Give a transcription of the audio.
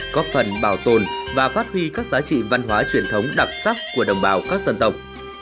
có phần bảo tồn và phát huy các giá trị văn hóa truyền thống đặc sắc của đồng bào các dân tộc